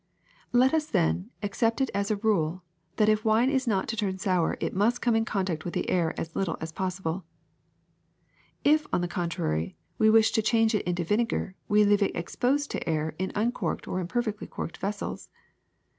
Let us, then, accept it as a rule that if wine is not to turn sour it must come in contact with the air as little as possible. If, on the contrary, we wish to change it into vinegar we leave it exposed to the air in uncorked or imperfectly corked vessels.